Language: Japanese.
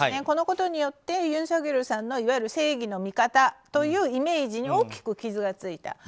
このことによってユン・ソギョルさんのいわゆる正義の味方というイメージに大きく傷がついた。